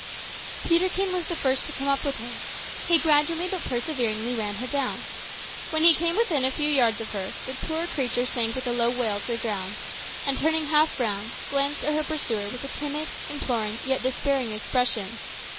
Peterkin was the first to come up with her. He gradually but perseveringly ran her down. When he came within a few yards of her, the poor creature sank with a low wail to the ground, and turning half round, glanced at her pursuer with a timid, imploring, yet despairing expression.